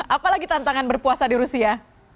apa lagi tantangan berpuasa di rusia